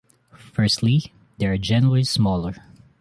Firstly, they are generally smaller.